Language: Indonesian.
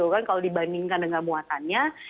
kalau dibandingkan dengan muatannya